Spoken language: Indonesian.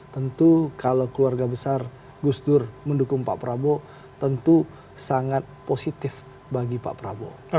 tentu kalau keluarga besar gus dur mendukung pak prabowo tentu sangat positif bagi pak prabowo